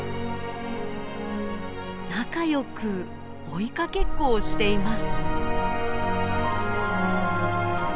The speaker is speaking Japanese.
仲良く追いかけっこをしています。